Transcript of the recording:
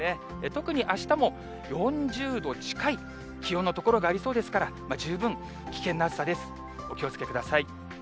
特にあしたも４０度近い気温の所がありそうですから、十分、危険な暑さです、お気をつけください。